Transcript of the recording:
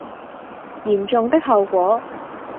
嚴重的後果